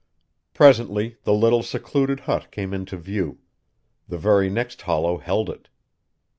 Presently the little, secluded hut came into view; the very next hollow held it!